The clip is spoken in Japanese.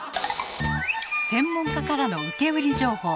専門家からの受け売り情報。